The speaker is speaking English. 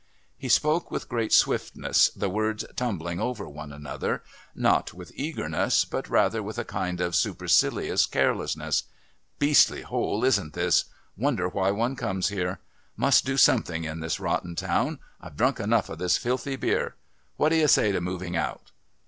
He spoke with great swiftness, the words tumbling over one another, not with eagerness, but rather with a kind of supercilious carelessness. "Beastly hole, isn't this? Wonder why one comes here. Must do something in this rotten town. I've drunk enough of this filthy beer. What do you say to moving out?"